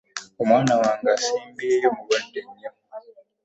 Omwana wange asembayo mulwadde nnyo.